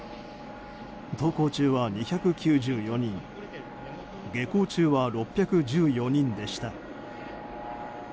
登校中は２９４人下校中は６１４人でした。